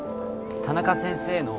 田中先生の